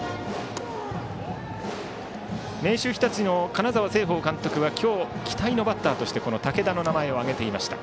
明秀日立の金沢成奉監督は今日、期待のバッターとしてこの武田の名前を挙げました。